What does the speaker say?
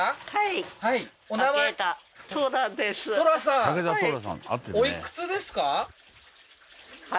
トラさんはいおいくつですか？